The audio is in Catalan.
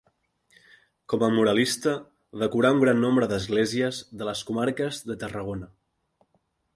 Com a muralista decorà un gran nombre d'esglésies de les comarques de Tarragona.